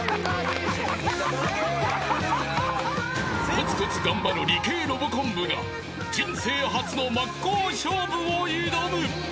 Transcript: ［コツコツ頑張る理系ロボコン部が人生初の真っ向勝負を挑む］